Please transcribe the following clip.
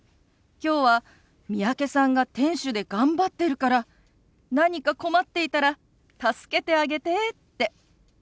「きょうは三宅さんが店主で頑張ってるから何か困っていたら助けてあげて」って。